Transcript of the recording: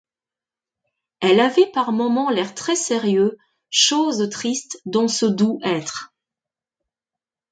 Elle avait par moments l’air très sérieux, chose triste dans ce doux être.